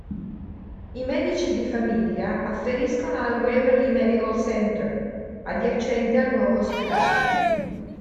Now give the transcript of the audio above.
I medici di famiglia afferiscono al Waverly Medical Centre, adiacente al nuovo ospedale.